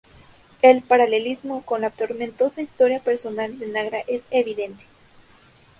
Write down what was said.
El paralelismo con la tormentosa historia personal de Nagra es evidente.